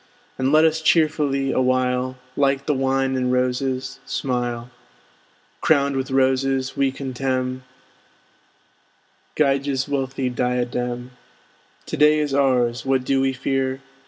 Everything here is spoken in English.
And let us cheerfully awhile, Like the wine and roses, smile. Crowned with roses, we contemn Gyges' wealthy diadem. To day is ours, what do we fear?